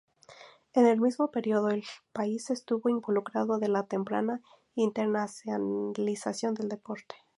En el mismo periodo, el país estuvo involucrado en la temprana internacionalización del deporte.